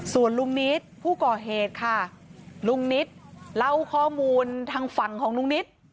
ส่วนลุงนิดผู้ก่อเหตุค่ะลุงนิตเล่าข้อมูลทางฝั่งของลุงนิด